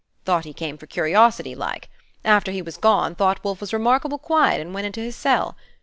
Thought he came for curiosity, like. After he was gone, thought Wolfe was remarkable quiet, and went into his cell.